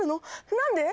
何で？